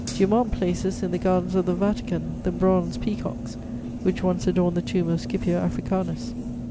Dumont places in the gardens of the Vatican "the bronze peacocks which once adorned the tomb of Scipio Africanus."